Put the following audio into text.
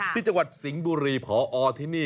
ที่จังหวัดสิงห์บุรีพอที่นี่